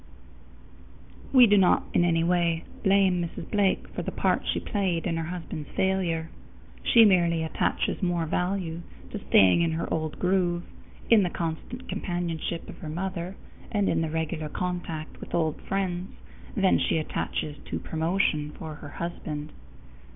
We do not in any way blame Mrs. Blake for the part she played in her husband's failure. She merely attaches more value to staying in her old groove, in the constant companionship of her mother, and in the regular contact with old friends than she attaches to promotion for her husband.